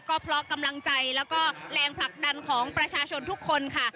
ก็เพราะกำลังใจแล้วก็แรงผลักดันของประชาชนทุกคนค่ะ